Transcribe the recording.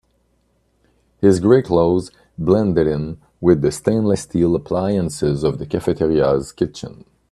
His gray clothes blended in with the stainless steel appliances of the cafeteria 's kitchen.